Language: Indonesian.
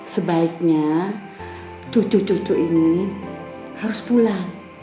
sebaiknya cucu cucu ini harus pulang